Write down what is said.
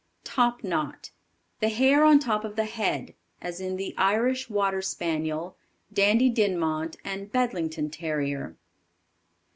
Topknot. The hair on top of the head, as in the Irish Water Spaniel, Dandie Dinmont, and Bedlington Terrier.